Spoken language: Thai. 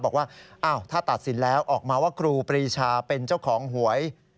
บอกว่าถ้าตัดสินแล้วออกมาว่าครูปรีชาเป็นเจ้าของหวย